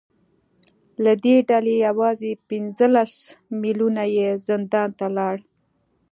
له دې ډلې یوازې پنځلس میلیونه یې زندان ته لاړل